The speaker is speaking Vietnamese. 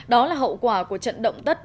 đó là hậu quả của trận động đất